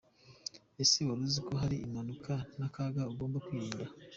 Ese waruziko hari impanuka n’akaga ugomba kwirinda?